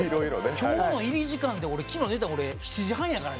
今日の入り時間で昨日寝たの俺７時半やからね。